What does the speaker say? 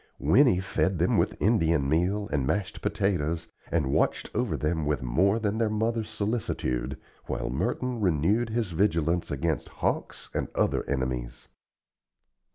Winnie fed them with Indian meal and mashed potatoes and watched over them with more than their mother's solicitude, while Merton renewed his vigilance against hawks and other enemies.